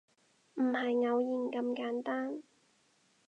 唔係偶然咁簡單